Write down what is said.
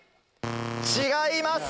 違います。